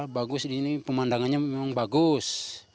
bagus ini pemandangannya memang bagus